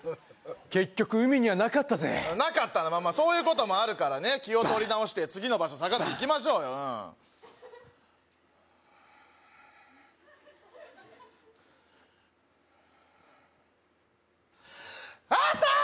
結局海にはなかったぜなかったそういうこともあるからね気を取り直して次の場所探しに行きましょうよあったー！